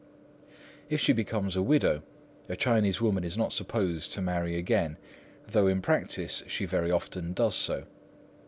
If she becomes a widow, a Chinese woman is not supposed to marry again, though in practice she very often does so.